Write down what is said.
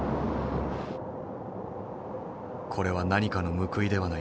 これは何かの報いではないか。